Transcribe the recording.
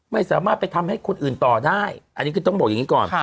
ไม่สามารถไปทำให้คนอื่นต่อได้อันนี้คือต้องบอกอย่างนี้ก่อน